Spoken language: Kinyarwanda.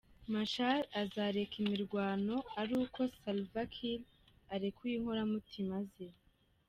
Machar azareka imirwano ari uko Salva Kiir arekuyr inkoramutima ze.